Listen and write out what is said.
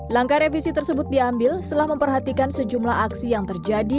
langkah revisi tersebut diambil setelah memperhatikan sejumlah aksi yang terjadi